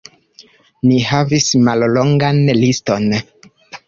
Ni havis mallongan liston.